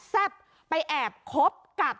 แซ่บไปแอบคบกับ